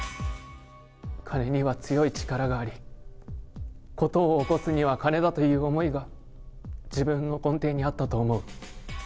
金には強い力があり、事を起こすには金だという思いが、自分の根底にあったと思う。